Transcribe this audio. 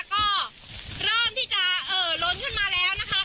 ก็เริ่มที่จะเอ่อล้นขึ้นมาแล้วนะคะ